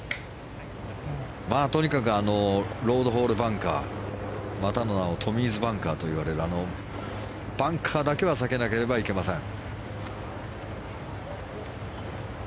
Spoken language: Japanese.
とにかくロードホールバンカーまたの名をトミーズバンカーといわれるあのバンカーだけは避けなければいけません。